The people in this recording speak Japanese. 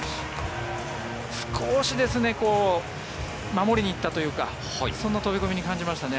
少し守りに行ったというかそんな飛込に感じましたね。